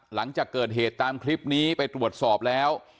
หลังจากเกิดเหตุตามคลิปนี้ไปตรวจสอบแล้ว